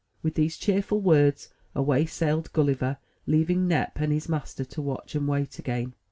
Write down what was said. With these cheerful words, away sailed Gulliver, leaving Nep and his master to watch and wait again.